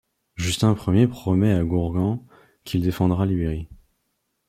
Justin Ier promet à Gourgen qu'il défendra l'Ibérie.